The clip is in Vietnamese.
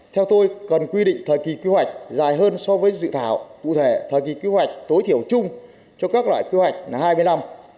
theo tôi cần quy định thời kỳ quy hoạch dài hơn so với dự thảo cụ thể thời kỳ kế hoạch tối thiểu chung cho các loại quy hoạch hai mươi năm